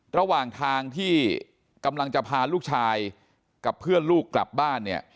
ระหว่างทางที่กำลังจะพาลูกชายกับเพื่อนลูกกลับบ้านเนี่ย